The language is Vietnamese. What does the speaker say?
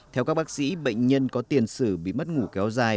theo các bác sĩ bệnh nhân có tiền sử bị mất ngủ kéo dài